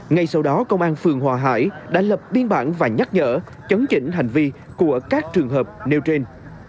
ngay sau đó công an phường hòa hải đã lập biên bản và nhắc nhở chấn chỉnh hành vi của các trường hợp nêu trên